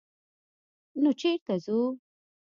_نو چېرته ځو؟